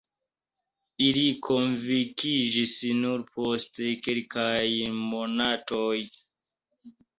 Ili konvinkiĝis nur post kelkaj monatoj.